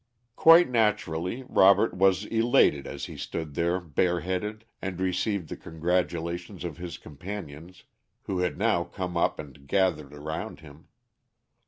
_ Quite naturally Robert was elated as he stood there bare headed, and received the congratulations of his companions, who had now come up and gathered around him.